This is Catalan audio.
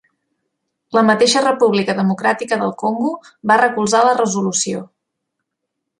La mateixa República Democràtica del Congo va recolzar la resolució.